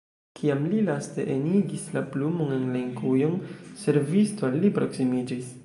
Kiam li laste enigis la plumon en la inkujon, servisto al li proksimiĝis.